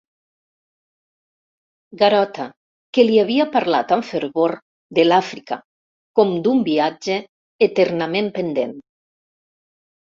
Garota, que li havia parlat amb fervor de l'Àfrica com d'un viatge eternament pendent.